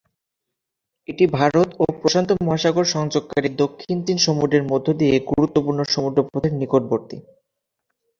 এটি ভারত ও প্রশান্ত মহাসাগর সংযোগকারী দক্ষিণ চীন সমুদ্রের মধ্য দিয়ে গুরুত্বপূর্ণ সমুদ্র পথের নিকটবর্তী।